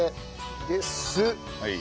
で酢。